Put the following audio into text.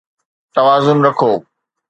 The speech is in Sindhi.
توازن رکو